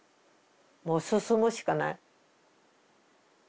もう進むしかない。